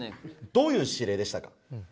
どういう指令でしたか？